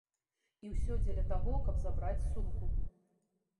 І ўсё дзеля таго, каб забраць сумку.